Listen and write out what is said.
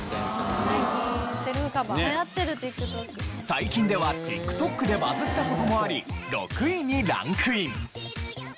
最近ではＴｉｋＴｏｋでバズった事もあり６位にランクイン。